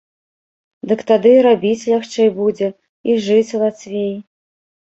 Дык тады і рабіць лягчэй будзе, і жыць лацвей.